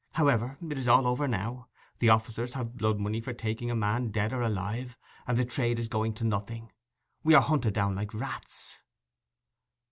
However, it is all over now. The officers have blood money for taking a man dead or alive, and the trade is going to nothing. We were hunted down like rats.